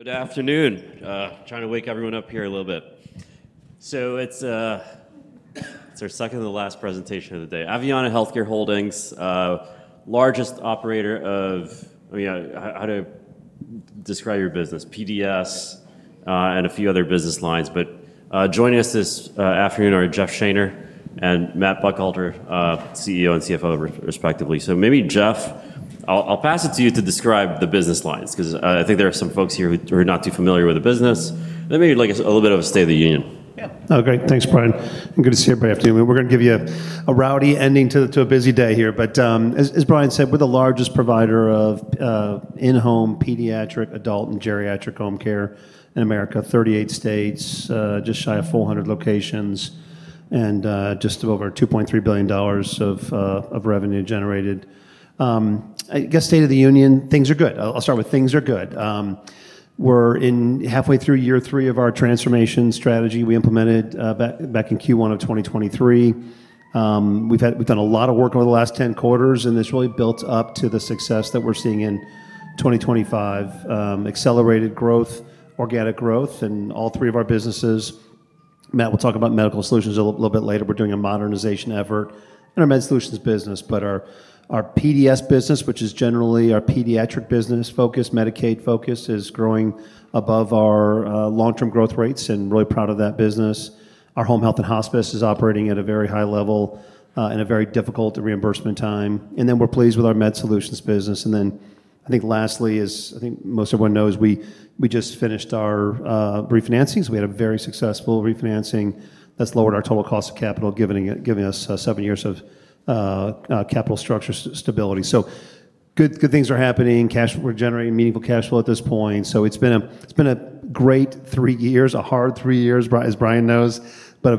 Good afternoon. Trying to wake everyone up here a little bit. It's our second to the last presentation of the day. Aveanna Healthcare Holdings, largest operator of, I mean, how to describe your business, PDS, and a few other business lines. Joining us this afternoon are Jeff Shaner and Matt Buckhalter, CEO and CFO respectively. Maybe Jeff, I'll pass it to you to describe the business lines because I think there are some folks here who are not too familiar with the business. Maybe like a little bit of a State of the Union. Yep. Oh, great. Thanks, Brian. Good to see everybody this afternoon. We're going to give you a rowdy ending to a busy day here. As Brian said, we're the largest provider of In-home Pediatric, Adult, and Geriatric Home Care in the United States, 38 states, just shy of 400 locations, and just over $2.3 billion of revenue generated. I guess State of the Union, things are good. I'll start with things are good. We're halfway through year three of our transformation strategy we implemented back in Q1 of 2023. We've done a lot of work over the last 10 quarters, and it's really built up to the success that we're seeing in 2025. Accelerated growth, organic growth in all three of our businesses. Matt will talk about Medical Solutions a little bit later. We're doing a modernization effort in our Medical Solutions business, but our PDS business, which is generally our Pediatric business focus, Medicaid focus, is growing above our long-term growth rates and really proud of that business. Our Home Health and Hospice is operating at a very high level in a very difficult reimbursement time. We're pleased with our Medical Solutions business. Lastly, as I think most everyone knows, we just finished our refinancing. We had a very successful refinancing that's lowered our total cost of capital, giving us seven years of capital structure stability. Good things are happening. We're generating meaningful cash flow at this point. It's been a great three years, a hard three years, as Brian knows, but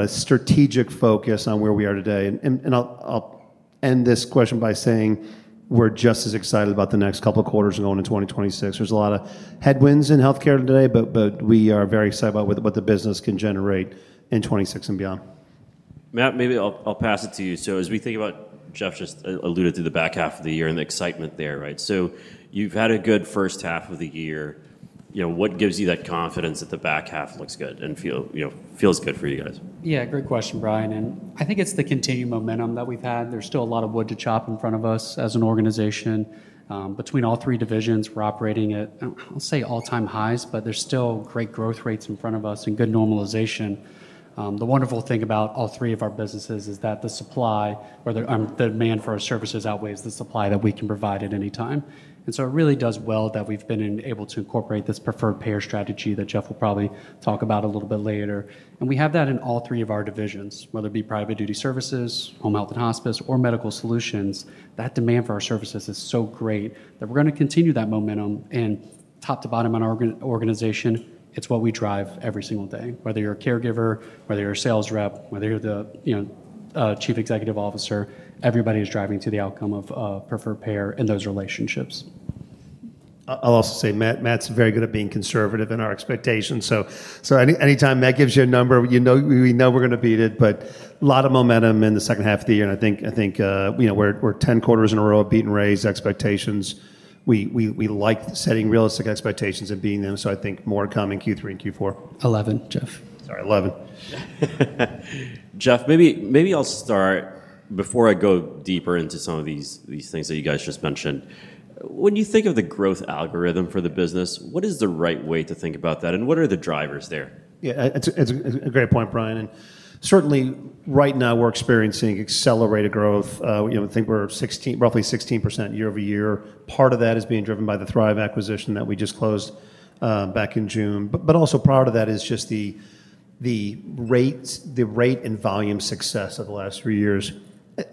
a strategic focus on where we are today. I'll end this question by saying we're just as excited about the next couple of quarters and going into 2026. There's a lot of headwinds in healthcare today, but we are very excited about what the business can generate in 2026 and beyond. Matt, maybe I'll pass it to you. As we think about, Jeff just alluded to the back half of the year and the excitement there, right? You've had a good first half of the year. What gives you that confidence that the back half looks good and feels good for you guys? Yeah, great question, Brian. I think it's the continued momentum that we've had. There's still a lot of wood to chop in front of us as an organization. Between all three divisions, we're operating at, I'll say, all-time highs, but there's still great growth rates in front of us and good normalization. The wonderful thing about all three of our businesses is that the demand for our services outweighs the supply that we can provide at any time. It really does well that we've been able to incorporate this preferred payer strategy that Jeff will probably talk about a little bit later. We have that in all three of our divisions, whether it be Private Duty Services, Home Health and Hospice, or Medical Solutions. That demand for our services is so great that we're going to continue that momentum. Top to bottom on our organization, it's what we drive every single day. Whether you're a caregiver, whether you're a sales rep, whether you're the Chief Executive Officer, everybody is driving to the outcome of a preferred payer in those relationships. I'll also say Matt's very good at being conservative in our expectations. Anytime Matt gives you a number, you know, we know we're going to beat it. A lot of momentum in the second half of the year. I think, you know, we're 10 quarters in a row of beating raised expectations. We like setting realistic expectations and beating them. I think more coming Q3 and Q4. 11, Jeff. Sorry, 11. Jeff, maybe I'll start before I go deeper into some of these things that you guys just mentioned. When you think of the growth algorithm for the business, what is the right way to think about that? What are the drivers there? Yeah, it's a great point, Brian. Certainly right now we're experiencing accelerated growth. I think we're 16, roughly 16% year-over-year. Part of that is being driven by the Thrive Acquisition that we just closed back in June, but also part of that is just the rates, the rate and volume success of the last three years.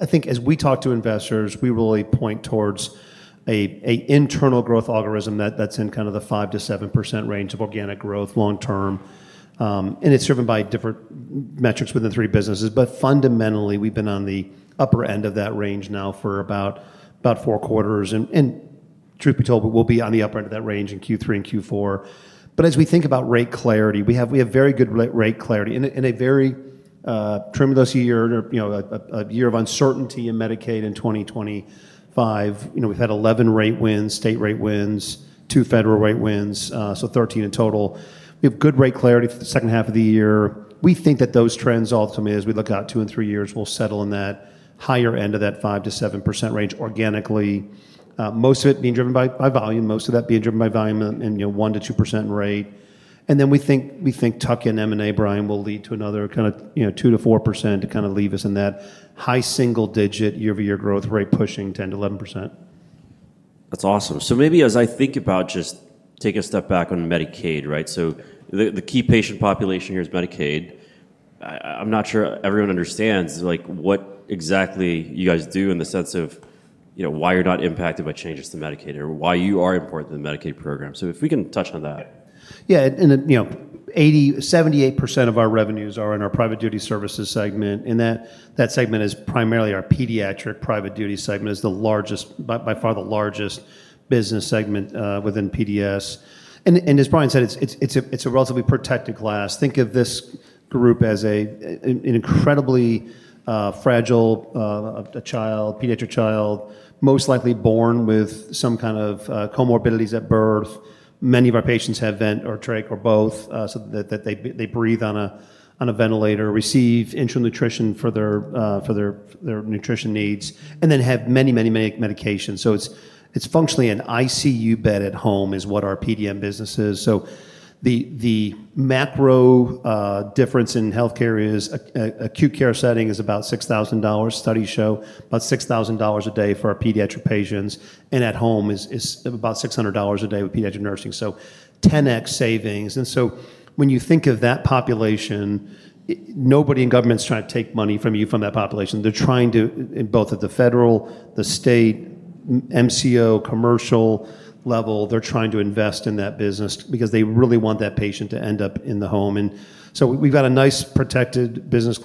I think as we talk to investors, we really point towards an internal growth algorithm that's in kind of the 5%-7% range of organic growth long term, and it's driven by different metrics within three businesses. Fundamentally, we've been on the upper end of that range now for about four quarters. Truth be told, we'll be on the upper end of that range in Q3 and Q4. As we think about rate clarity, we have very good rate clarity in a very tremulous year, you know, a year of uncertainty in Medicaid in 2025. We've had 11 rate wins, state rate wins, two federal rate wins, so 13 in total. We have good rate clarity the second half of the year. We think that those trends ultimately, as we look out two and three years, will settle in that higher end of that 5%-7% range organically, most of it being driven by volume, most of that being driven by volume in, you know, 1%-2% rate. We think Tuck-in M&A, Brian, will lead to another kind of, you know, 2%-4% to kind of leave us in that high single digit year-over-year growth rate pushing 10%-11%. That's awesome. Maybe as I think about just taking a step back on Medicaid, right? The key patient population here is Medicaid. I'm not sure everyone understands what exactly you guys do in the sense of why you're not impacted by changes to Medicaid or why you are important to the Medicaid program. If we can touch on that. Yeah, and you know, 80%, 78% of our revenues are in our Private Duty Services segment. That segment is primarily our Pediatric Private Duty segment. It's the largest, by far the largest business segment within PDS. As Brian said, it's a relatively protected class. Think of this group as an incredibly fragile child, pediatric child, most likely born with some kind of comorbidities at birth. Many of our patients have vent or trache or both, so that they breathe on a ventilator, receive intranutrition for their nutrition needs, and then have many, many medications. It's functionally an ICU bed at home is what our PDS business is. The macro-difference in healthcare is acute care setting is about $6,000. Studies show about $6,000 a day for our pediatric patients. At home is about $600 a day with pediatric nursing. That's 10x savings. When you think of that population, nobody in government is trying to take money from you from that population. They're trying to, in both the federal, the state, MCO, commercial level, they're trying to invest in that business because they really want that patient to end up in the home. We've got a nice protected business,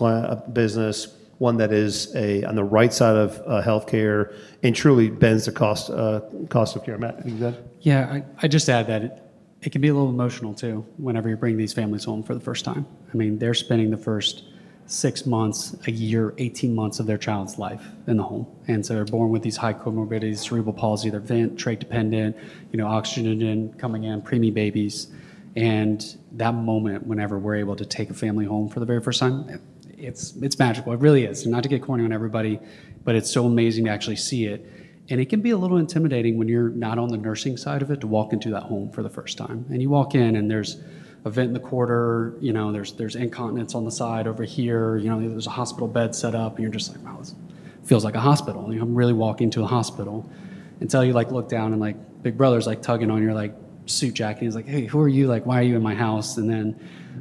one that is on the right side of healthcare and truly bends the cost of care. Matt, anything to add? Yeah, I just add that it can be a little emotional too whenever you're bringing these families home for the first time. I mean, they're spending the first six months, a year, 18 months of their child's life in the home. They're born with these high comorbidities, cerebral palsy, they're vent, trache dependent, you know, oxygen coming in, preemie babies. That moment whenever we're able to take a family home for the very first time, it's magical. It really is. Not to get corny on everybody, but it's so amazing to actually see it. It can be a little intimidating when you're not on the nursing side of it to walk into that home for the first time. You walk in and there's a vent in the corner, you know, there's incontinence on the side over here, there's a hospital bed set up. You're just like, wow, it feels like a hospital. You know, I'm really walking into a hospital. Until you look down and Big Brother's tugging on your suit jacket. He's like, "Hey, who are you? Why are you in my house?"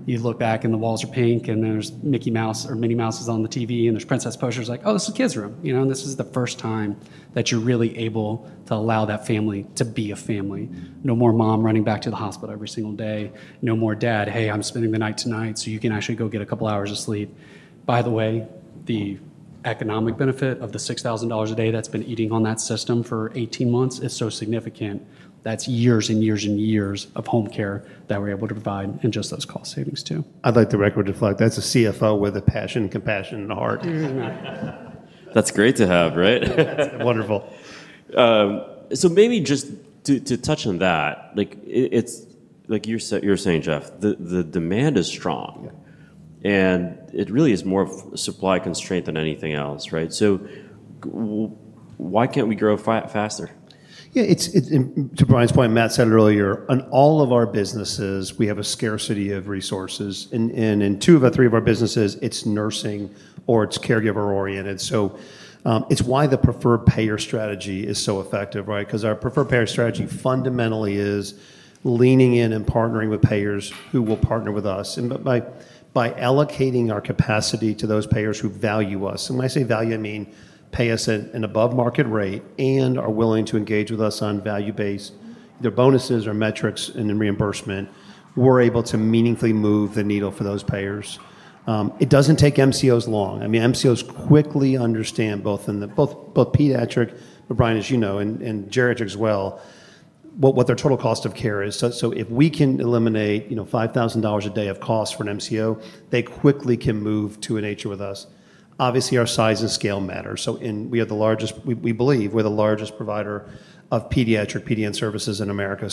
You look back and the walls are pink and there's Mickey Mouse or Minnie Mouse on the TV and there's princess posters. Oh, this is a kid's room, you know, and this is the first time that you're really able to allow that family to be a family. No more mom running back to the hospital every single day. No more dad, hey, I'm spending the night tonight so you can actually go get a couple hours of sleep. By the way, the economic benefit of the $6,000 a day that's been eating on that system for 18 months is so significant. That's years and years and years of home care that we're able to provide and just those cost savings too. I'd like the record to reflect that's a CFO with a passion and compassion and a heart. That's great to have, right? Wonderful. Maybe just to touch on that, like it's like you're saying, Jeff, the demand is strong and it really is more supply constraint than anything else, right? Why can't we grow faster? Yeah, to Brian's point, Matt said it earlier, on all of our businesses, we have a scarcity of resources. In two of the three of our businesses, it's nursing or it's caregiver-oriented. That's why the preferred payer strategy is so effective, right? Our preferred payer strategy fundamentally is leaning in and partnering with payers who will partner with us. By allocating our capacity to those payers who value us, and when I say value, I mean pay us an above-market rate and are willing to engage with us on value-based either bonuses or metrics and reimbursement, we're able to meaningfully move the needle for those payers. It doesn't take MCOs long. MCOs quickly understand both in the pediatric, but Brian, as you know, and geriatric as well, what their total cost of care is. If we can eliminate, you know, $5,000 a day of cost for an MCO, they quickly can move to an HH with us. Obviously, our size and scale matter. We are the largest, we believe we're the largest provider of pediatric PDS services in America.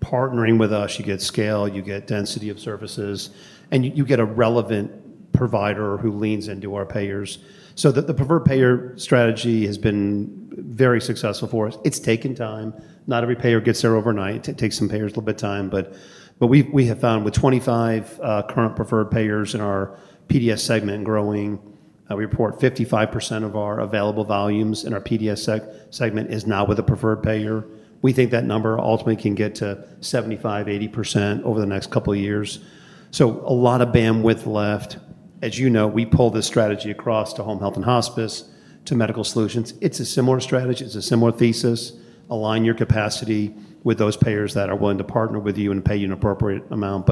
Partnering with us, you get scale, you get density of services, and you get a relevant provider who leans into our payers. The preferred payer strategy has been very successful for us. It's taken time. Not every payer gets there overnight. It takes some payers a little bit of time. We have found with 25 current preferred payers in our PDS segment growing, we report 55% of our available volumes in our PDS segment is now with a preferred payer. We think that number ultimately can get to 75%-80% over the next couple of years. A lot of bandwidth left. As you know, we pull this strategy across to Home Health and Hospice, to Medical Solutions. It's a similar strategy. It's a similar thesis. Align your capacity with those payers that are willing to partner with you and pay you an appropriate amount.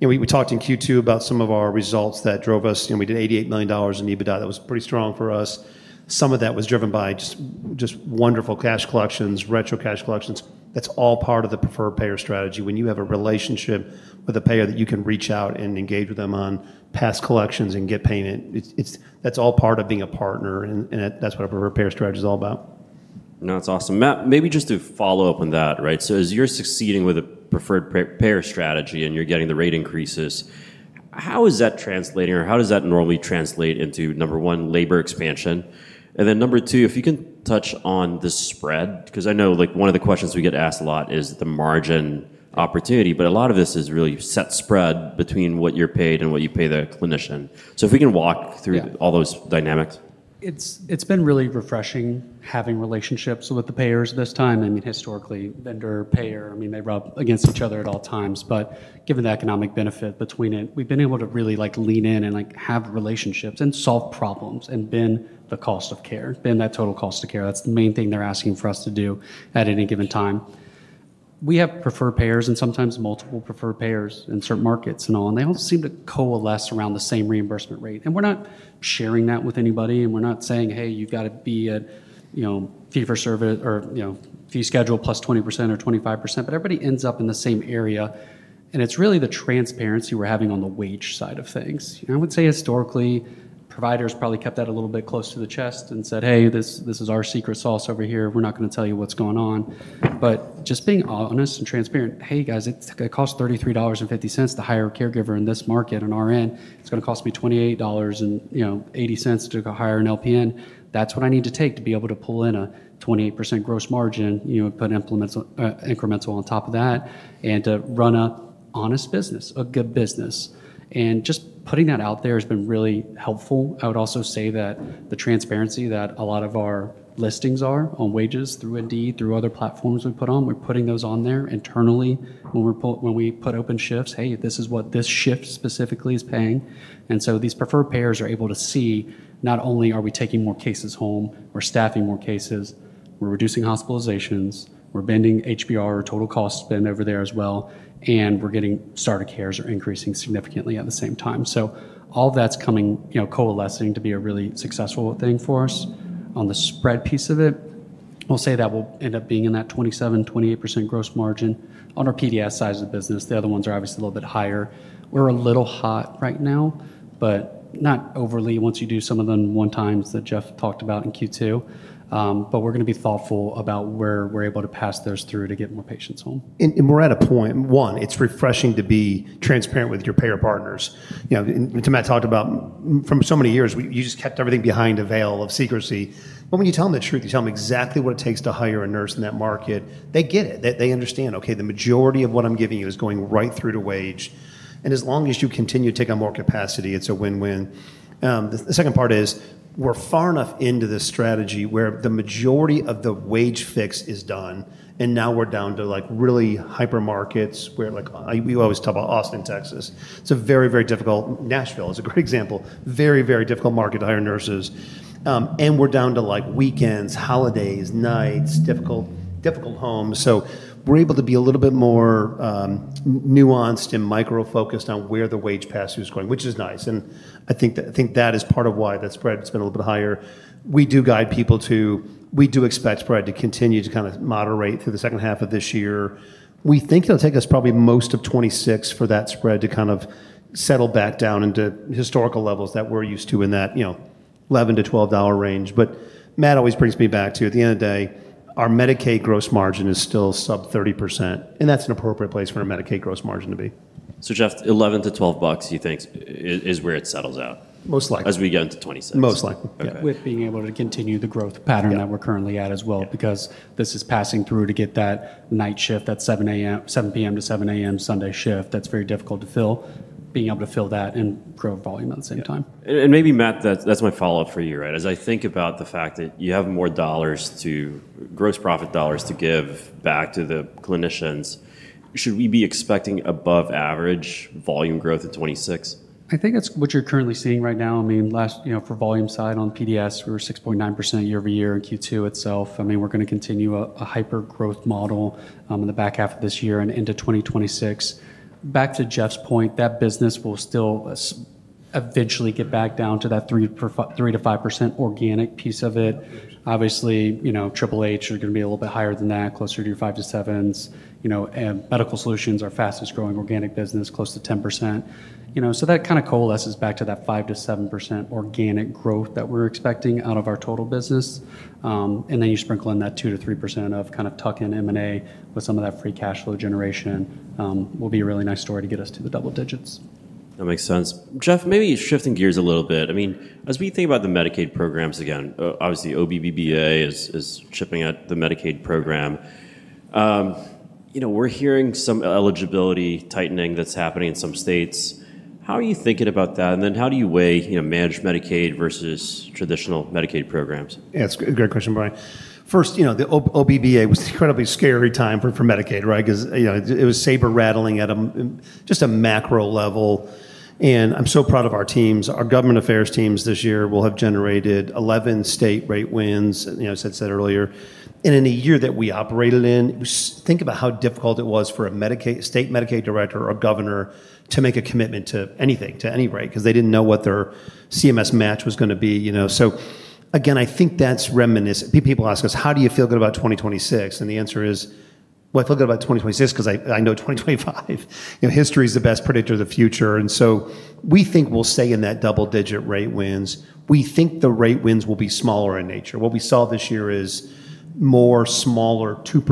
We talked in Q2 about some of our results that drove us. We did $88 million in EBITDA. That was pretty strong for us. Some of that was driven by just wonderful cash collections, retro cash collections. That's all part of the preferred payer strategy. When you have a relationship with a payer that you can reach out and engage with them on past collections and get payment, that's all part of being a partner. That's what a preferred payer strategy is all about. No, that's awesome. Matt, maybe just to follow up on that, right? As you're succeeding with a preferred payer strategy and you're getting the rate increases, how is that translating or how does that normally translate into, number one, Labor expansion? Number two, if you can touch on the Spread, because I know one of the questions we get asked a lot is the margin opportunity, but a lot of this is really set spread between what you're paid and what you pay the clinician. If we can walk through all those dynamics. It's been really refreshing having relationships with the payers this time. Historically, vendor-payer, they've rubbed against each other at all times. Given the economic benefit between it, we've been able to really lean in and have relationships and solve problems and bend the cost of care, bend that total cost of care. That's the main thing they're asking for us to do at any given time. We have preferred payers and sometimes multiple preferred payers in certain markets, and they all seem to coalesce around the same reimbursement rate. We're not sharing that with anybody, and we're not saying, "Hey, you've got to be a, you know, fee-for-service or, you know, fee schedule +20% or 25%," but everybody ends up in the same area. It's really the transparency we're having on the wage side of things. I would say historically, providers probably kept that a little bit close to the chest and said, "Hey, this is our secret sauce over here. We're not going to tell you what's going on." Just being honest and transparent, "Hey guys, it's going to cost $33.50 to hire a caregiver in this market on our end. It's going to cost me $28.80 to go hire an LPN. That's what I need to take to be able to pull in a 28% gross margin, you know, and put increments on top of that and to run an honest business, a good business." Just putting that out there has been really helpful. I would also say that the transparency that a lot of our listings are on wages through Indeed, through other platforms we put on, we're putting those on there internally when we put open shifts. "Hey, this is what this shift specifically is paying." These preferred payers are able to see not only are we taking more cases home, we're staffing more cases, we're reducing hospitalizations, we're bending HBR or total cost spend over there as well, and we're getting started cares or increasing significantly at the same time. All of that's coming, coalescing to be a really successful thing for us. On the spread piece of it, we'll say that we'll end up being in that 27%, 28% gross margin on our PDS side of the business. The other ones are obviously a little bit higher. We're a little hot right now, but not overly once you do some of the one-times that Jeff talked about in Q2. We're going to be thoughtful about where we're able to pass those through to get more patients home. We're at a point, one, it's refreshing to be transparent with your payer partners. You know, Tim and I talked about for so many years, you just kept everything behind a veil of secrecy. When you tell them the truth, you tell them exactly what it takes to hire a nurse in that market. They get it. They understand, okay, the majority of what I'm giving you is going right through to wage. As long as you continue to take on more capacity, it's a win-win. The second part is we're far enough into this strategy where the majority of the wage fix is done. Now we're down to really hyper markets where, like, we always talk about Austin, Texas. It's a very, very difficult, Nashville is a great example, very, very difficult market to hire nurses. We're down to weekends, holidays, nights, difficult, difficult homes. We're able to be a little bit more nuanced and micro-focused on where the wage pass-through is going, which is nice. I think that is part of why that spread has been a little bit higher. We do guide people to, we do expect spread to continue to kind of moderate through the second half of this year. We think it'll take us probably most of 2026 for that spread to kind of settle back down into historical levels that we're used to in that, you know, $11-$12 range. Matt always brings me back to, at the end of the day, our Medicaid gross margin is still sub 30%. That's an appropriate place for a Medicaid gross margin to be. Jeff, $11-$12, you think, is where it settles out. Most likely. As we get into 2026. Most likely, with being able to continue the growth pattern that we're currently at as well, because this is passing through to get that night shift, that 7:00 P.M. to 7:00 A.M. Sunday shift. That's very difficult to fill, being able to fill that and grow volume at the same time. Matt, that's my follow-up for you, right? As I think about the fact that you have more dollars to gross profit dollars to give back to the clinicians, should we be expecting above average volume growth at 2026? I think that's what you're currently seeing right now. I mean, last, you know, for volume side on PDS, we were 6.9% year-over-year in Q2 itself. I mean, we're going to continue a hyper growth model in the back half of this year and into 2026. Back to Jeff's point, that business will still eventually get back down to that 3%-5% organic piece of it. Obviously, you know, HHH is going to be a little bit higher than that, closer to your 5%-7%. You know, and Medical Solutions, our fastest growing organic business, close to 10%. You know, so that kind of coalesces back to that 5%-7% organic growth that we're expecting out of our total business, and then you sprinkle in that 2%-3% of kind of tuck-in M&A with some of that free cash flow generation. Will be a really nice story to get us to the double-digits. That makes sense. Jeff, maybe shifting gears a little bit. I mean, as we think about the Medicaid programs again, obviously OBBBA is chipping out the Medicaid program. We're hearing some eligibility tightening that's happening in some states. How are you thinking about that? How do you weigh, you know, managed Medicaid vs traditional Medicaid programs? Yeah, it's a great question, Brian. First, you know, the OBBBA was an incredibly scary time for Medicaid, right? Because, you know, it was saber rattling at just a macro level. I'm so proud of our teams. Our government affairs teams this year will have generated 11 state rate wins, as I said earlier. In a year that we operated in, think about how difficult it was for a state Medicaid director or governor to make a commitment to anything, to any rate, because they didn't know what their CMS match was going to be, you know. I think that's reminiscent. People ask us, how do you feel good about 2026? The answer is, I feel good about 2026 because I know 2025, you know, history is the best predictor of the future. We think we'll stay in that double-digit rate wins. We think the rate wins will be smaller in nature. What we saw this year is more smaller 2%,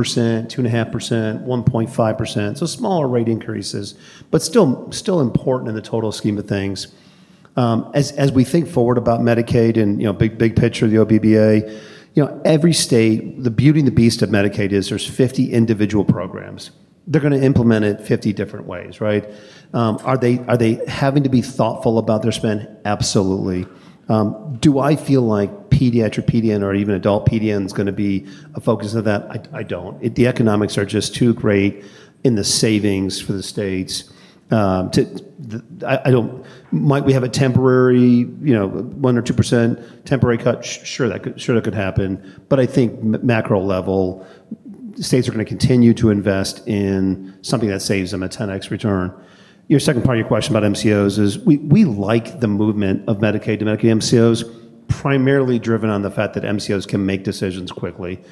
2.5%, 1.5%. Smaller rate increases, but still important in the total scheme of things. As we think forward about Medicaid and, you know, big picture of the OBBBA, every state, the beauty and the beast of Medicaid is there's 50 individual programs. They're going to implement it 50 different ways, right? Are they having to be thoughtful about their spend? Absolutely. Do I feel like pediatric PDN or even adult PDN is going to be a focus of that? I don't. The economics are just too great in the savings for the states. Might we have a temporary, you know, 1% or 2% temporary cut? Sure, that could happen. I think macro-level, the states are going to continue to invest in something that saves them a 10x return. Your second part of your question about MCOs is we like the movement of Medicaid to Medicaid MCOs, primarily driven on the fact that MCOs can make decisions quickly.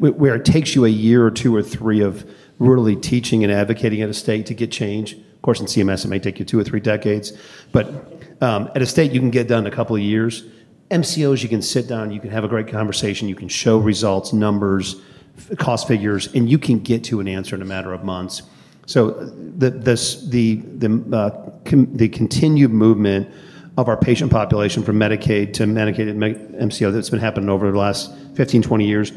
Where it takes you a year or two or three of really teaching and advocating at a state to get change. Of course, in CMS, it might take you two or three decades. At a state, you can get done in a couple of years. MCOs, you can sit down, you can have a great conversation, you can show results, numbers, cost figures, and you can get to an answer in a matter of months. The continued movement of our patient population from Medicaid to Medicaid MCOs, it's been happening over the last 15, 20 years.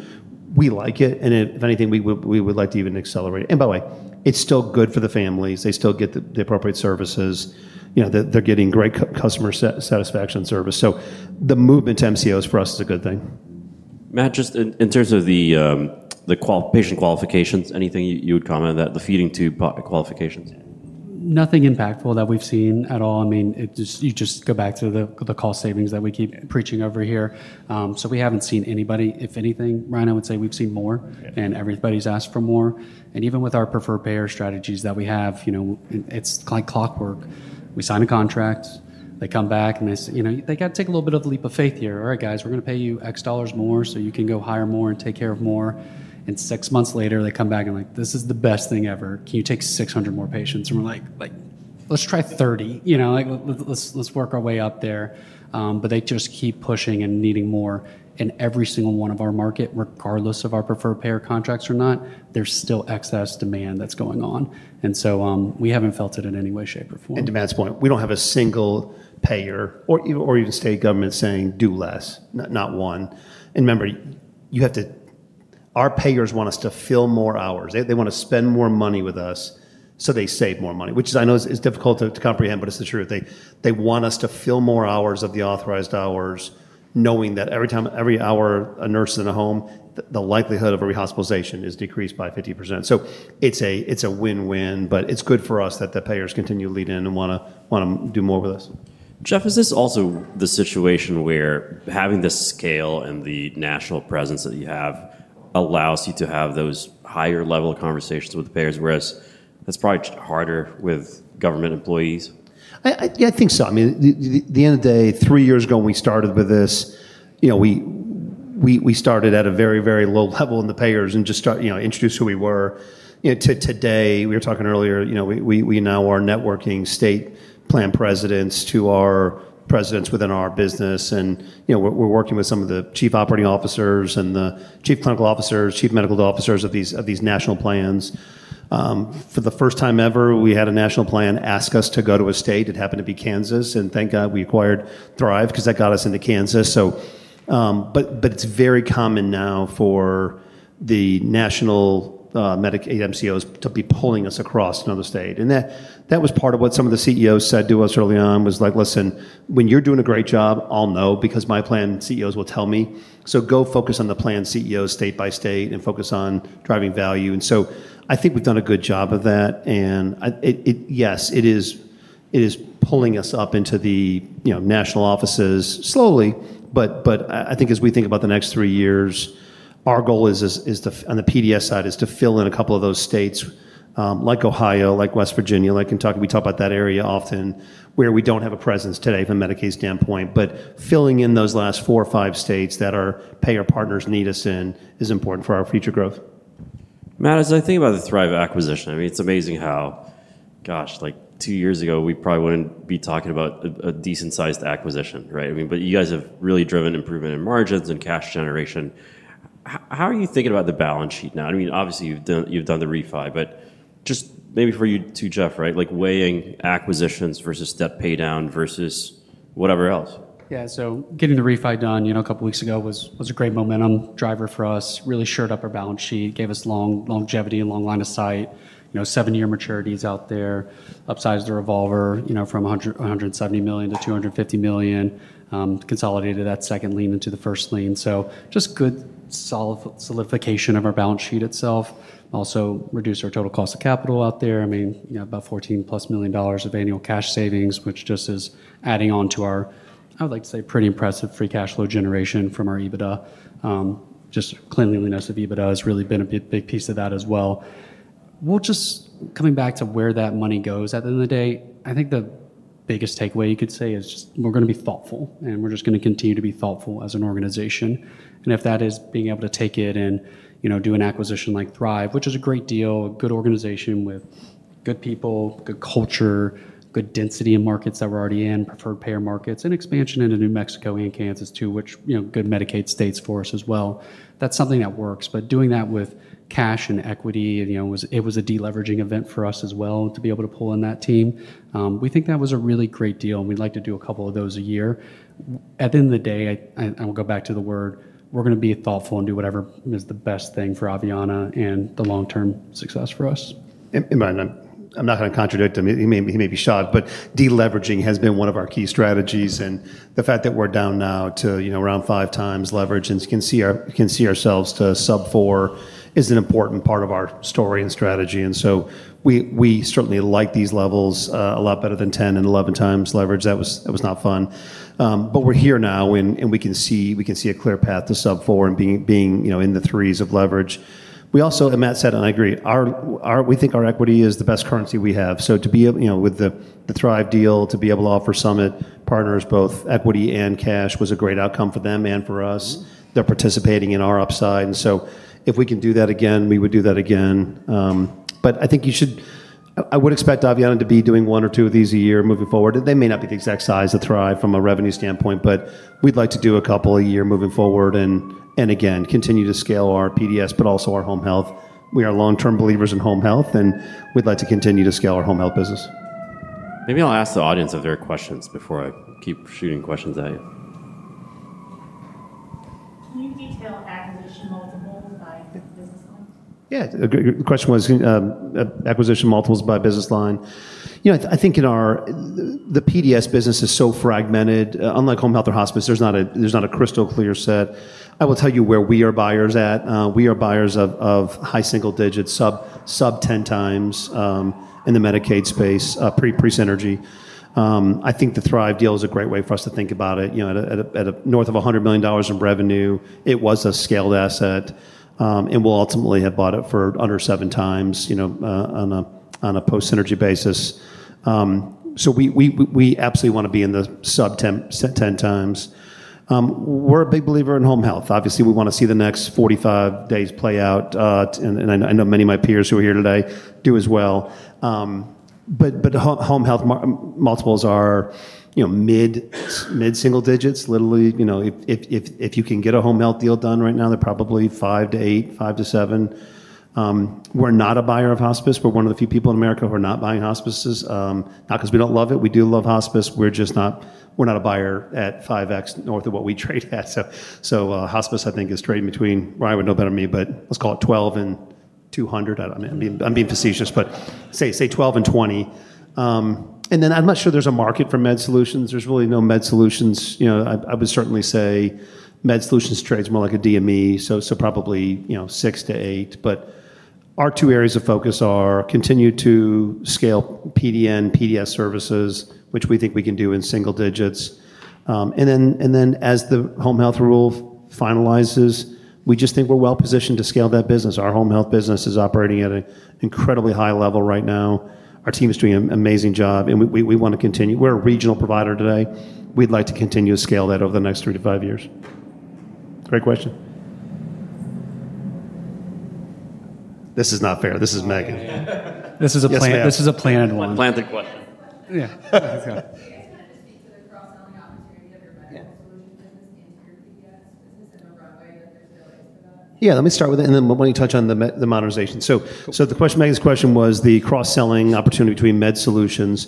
We like it. If anything, we would like to even accelerate it. By the way, it's still good for the families. They still get the appropriate services. They're getting great customer satisfaction service. The movement to MCOs for us is a good thing. Matt, just in terms of the patient qualifications, anything you would comment on that, the feeding tube qualifications? Nothing impactful that we've seen at all. I mean, you just go back to the cost savings that we keep preaching over here. We haven't seen anybody, if anything, Brian, I would say we've seen more and everybody's asked for more. Even with our preferred payer strategies that we have, it's like clockwork. We sign a contract, they come back and they say they got to take a little bit of a leap of faith here. All right, guys, we're going to pay you X dollars more so you can go hire more and take care of more. Six months later, they come back and like, this is the best thing ever. Can you take 600 more patients? We're like, let's try 30, let's work our way up there. They just keep pushing and needing more. Every single one of our markets, regardless of our preferred payer contracts or not, there's still excess demand that's going on. We haven't felt it in any way, shape, or form. To Matt's point, we don't have a single payer or even state government saying do less, not one. Remember, our payers want us to fill more hours. They want to spend more money with us so they save more money, which is, I know it's difficult to comprehend, but it's the truth. They want us to fill more hours of the authorized hours, knowing that every time, every hour a nurse is in a home, the likelihood of a rehospitalization is decreased by 50%. It's a win-win, and it's good for us that the payers continue to lead in and want to do more with us. Jeff, is this also the situation where having this scale and the national presence that you have allows you to have those higher-level conversations with the payers, whereas that's probably harder with government employees? Yeah, I think so. I mean, at the end of the day, three years ago when we started with this, you know, we started at a very, very low level in the payers and just started, you know, introduced who we were. You know, to today, we were talking earlier, you know, we now are networking state plan presidents to our presidents within our business. We're working with some of the Chief Operating Officers and the Chief Clinical Officers, Chief Medical Officers of these national plans. For the first time ever, we had a national plan ask us to go to a state. It happened to be Kansas, and thank God we acquired Thrive because that got us into Kansas. It's very common now for the national MCOs to be pulling us across another state. That was part of what some of the CEOs said to us early on, like, listen, when you're doing a great job, I'll know because my plan CEOs will tell me. Go focus on the plan CEOs state by state and focus on driving value. I think we've done a good job of that. Yes, it is pulling us up into the national offices slowly. I think as we think about the next three years, our goal is to, on the PDS side, fill in a couple of those states, like Ohio, like West Virginia, like Kentucky. We talk about that area often where we don't have a presence today from a Medicaid standpoint. Filling in those last four or five states that our payer partners need us in is important for our future growth. Matt, as I think about the Thrive Acquisition, it's amazing how, gosh, like two years ago, we probably wouldn't be talking about a decent-sized acquisition, right? I mean, you guys have really driven improvement in margins and cash generation. How are you thinking about the balance sheet now? Obviously you've done the refi, but maybe for you too, Jeff, right? Like weighing acquisitions versus step pay down vs whatever else. Yeah, so getting the refi done a couple of weeks ago was a great momentum driver for us. Really shored up our balance sheet, gave us longevity and long line of sight. Seven-year maturities out there, upsized the revolver from $170 million-$250 million, consolidated that second lien into the first lien. Just good solid solidification of our balance sheet itself. Also reduced our total cost of capital out there. I mean, about $14 million+ of annual cash savings, which just is adding on to our, I would like to say, pretty impressive free cash flow generation from our EBITDA. Just cleanliness of EBITDA has really been a big piece of that as well. Coming back to where that money goes, at the end of the day, I think the biggest takeaway you could say is we're going to be thoughtful and we're just going to continue to be thoughtful as an organization. If that is being able to take it and do an acquisition like Thrive, which is a great deal, a good organization with good people, good culture, good density in markets that we're already in, preferred payer markets, and expansion into New Mexico and Kansas too, which are good Medicaid states for us as well. That's something that works, but doing that with cash and equity, it was a deleveraging event for us as well to be able to pull in that team. We think that was a really great deal. We'd like to do a couple of those a year. At the end of the day, I will go back to the word, we're going to be thoughtful and do whatever is the best thing for Aveanna and the long-term success for us. I'm not going to contradict him. He may be shocked, but deleveraging has been one of our key strategies. The fact that we're down now to, you know, around five times leverage and can see ourselves to sub four is an important part of our story and strategy. We certainly like these levels a lot better than 10x and 11x leverage. That was not fun. We're here now and we can see a clear path to sub four and being, you know, in the threes of leverage. We also, and Matt said, and I agree, we think our equity is the best currency we have. To be, you know, with the Thrive deal, to be able to offer Summit Partners both equity and cash was a great outcome for them and for us. They're participating in our upside. If we can do that again, we would do that again. I think you should, I would expect Aveanna to be doing one or two of these a year moving forward. They may not be the exact size of Thrive from a revenue standpoint, but we'd like to do a couple a year moving forward and, again, continue to scale our PDS, but also our Home Health. We are long-term believers in Home Health and we'd like to continue to scale our Home Health business. Maybe I'll ask the audience if there are questions before I keep shooting questions at you. Can you detail acquisition multiples by business line? Yeah, the question was acquisition multiples by business line. I think in our, the PDS business is so fragmented. Unlike Home Health or Hospice, there's not a crystal clear set. I will tell you where we are buyers at. We are buyers of high single-digits, sub 10x in the Medicaid space, pre-Synergy. I think the Thrive deal is a great way for us to think about it. At north of $100 million in revenue, it was a scaled asset. We'll ultimately have bought it for under seven times on a post-Synergy basis. We absolutely want to be in the sub 10x. We're a big believer in Home Health. Obviously, we want to see the next 45 days play out. I know many of my peers who are here today do as well. Home Health multiples are mid-single-digits, literally. If you can get a Home Health deal done right now, they're probably five to eight, five to seven. We're not a buyer of Hospice. We're one of the few people in America who are not buying hospices. Not because we don't love it. We do love Hospice. We're just not, we're not a buyer at 5x north of what we trade at. Hospice I think is trading between, well, you would know better than me, but let's call it 12 and 200. I'm being facetious, but say 12 and 20. I'm not sure there's a market for Medical Solutions. There's really no Medical Solutions. I would certainly say Medical Solutions trades more like a DME. Probably six to eight. Our two areas of focus are continue to scale PDN, PDS services, which we think we can do in single-digits. As the Home Health rule finalizes, we just think we're well positioned to scale that business. Our Home Health business is operating at an incredibly high level right now. Our team is doing an amazing job and we want to continue. We're a regional provider today. We'd like to continue to scale that over the next 3-5 years. Great question. This is not fair. This is Meghan. This is a planned one. A planted question. Yeah, let me start with it. Let me touch on the modernization. The question, Meghan's question, was the cross-selling opportunity between Medical Solutions.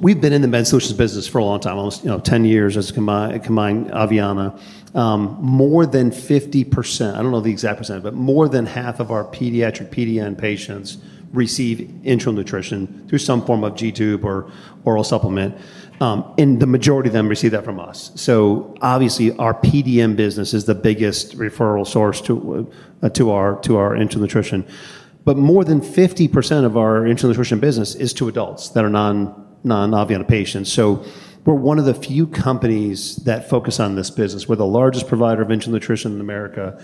We've been in the Medical Solutions business for a long time, almost, you know, 10 years as a combined Aveanna. More than 50%, I don't know the exact percentage, but more than half of our pediatric PDN patients receive intranutrition through some form of G-tube or oral supplement, and the majority of them receive that from us. Obviously, our PDN business is the biggest referral source to our intranutrition. More than 50% of our intranutrition business is to adults that are non-Aveanna patients. We're one of the few companies that focus on this business. We're the largest provider of intranutrition in America,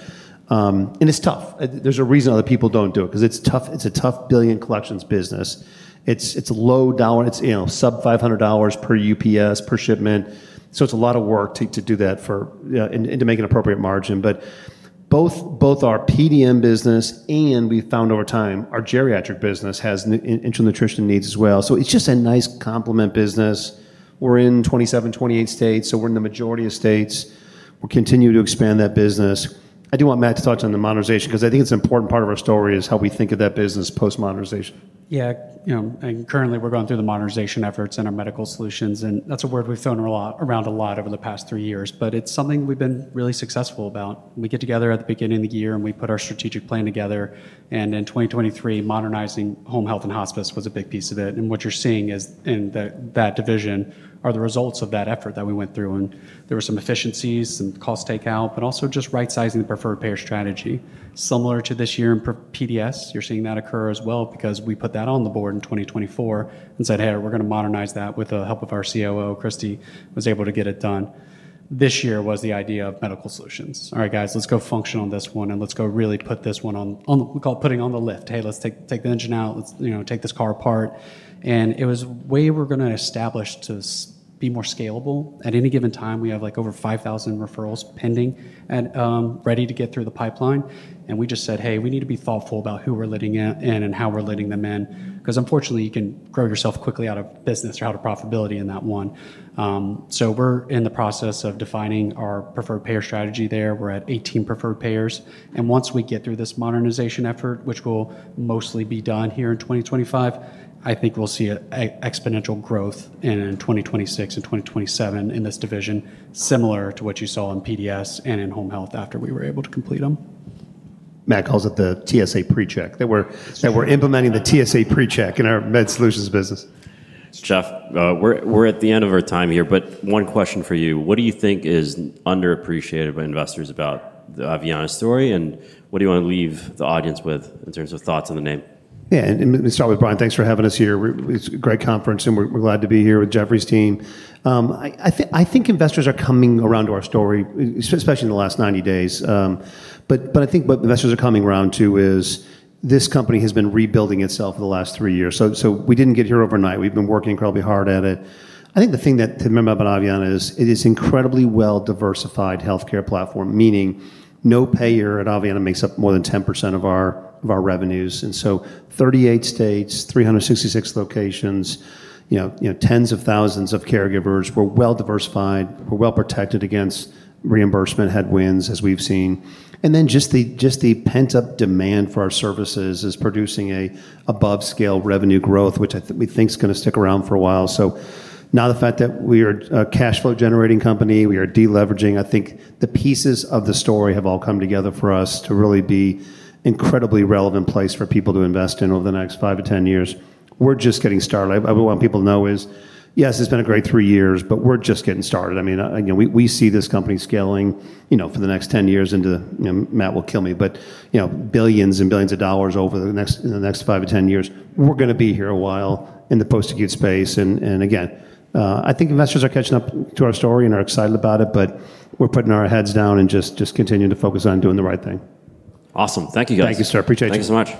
and it's tough. There's a reason other people don't do it because it's tough. It's a tough billion collections business. It's a low dollar, it's, you know, sub $500/UPS/shipment. It's a lot of work to do that for, you know, and to make an appropriate margin. Both our PDN business and, we found over time, our geriatric business has intranutrition needs as well. It's just a nice complement business. We're in 27, 28 states, so we're in the majority of states. We'll continue to expand that business. I do want Matt to touch on the modernization because I think it's an important part of our story, how we think of that business post-modernization. Yeah, you know, currently we're going through the modernization efforts in our Medical Solutions. That's a word we've thrown around a lot over the past three years, but it's something we've been really successful about. We get together at the beginning of the year and we put our strategic plan together. In 2023, modernizing Home Health and Hospice was a big piece of it. What you're seeing in that division are the results of that effort that we went through. There were some efficiencies and cost takeout, but also just right-sizing the preferred payer strategy. Similar to this year in PDS, you're seeing that occur as well because we put that on the board in 2024 and said, "Hey, we're going to modernize that with the help of our COO, Christy," was able to get it done. This year was the idea of Medical Solutions. All right, guys, let's go function on this one and let's go really put this one on, we call it putting on the lift. Hey, let's take the engine out, let's, you know, take this car apart. It was the way we're going to establish to be more scalable. At any given time, we have like over 5,000 referrals pending and ready to get through the pipeline. We just said, "Hey, we need to be thoughtful about who we're letting in and how we're letting them in." Unfortunately, you can grow yourself quickly out of business or out of profitability in that one. We're in the process of defining our preferred payer strategy there. We're at 18 preferred payers. Once we get through this modernization effort, which will mostly be done here in 2025, I think we'll see exponential growth in 2026 and 2027 in this division, similar to what you saw in PDS and in Home Health after we were able to complete them. Matt calls it the TSA Pre-Check. That we're implementing the TSA Pre-Check in our Medical Solutions business. Jeff, we're at the end of our time here, but one question for you. What do you think is underappreciated by investors about the Aveanna story? What do you want to leave the audience with in terms of thoughts on the name? Yeah, let me start with Brian. Thanks for having us here. It's a great conference and we're glad to be here with Jefferies' team. I think investors are coming around to our story, especially in the last 90 days. I think what investors are coming around to is this company has been rebuilding itself for the last three years. We didn't get here overnight. We've been working incredibly hard at it. The thing to remember about Aveanna is it is an incredibly well-diversified healthcare platform, meaning no payer at Aveanna makes up more than 10% of our revenues. In 38 states, 366 locations, tens of thousands of caregivers, we're well-diversified, we're well-protected against reimbursement headwinds as we've seen. The pent-up demand for our services is producing an above-scale revenue growth, which I think is going to stick around for a while. Now the fact that we are a cash-flow-generating company, we are deleveraging, I think the pieces of the story have all come together for us to really be an incredibly relevant place for people to invest in over the next 5-10 years. We're just getting started. What I want people to know is, yes, it's been a great three years, but we're just getting started. I mean, we see this company scaling for the next ten years into, Matt will kill me, but billions and billions of dollars over the next 5-10 years. We're going to be here a while in the post-acute space. I think investors are catching up to our story and are excited about it, but we're putting our heads down and just continuing to focus on doing the right thing. Awesome. Thank you, guys. Thank you, sir. Appreciate it. Thanks so much.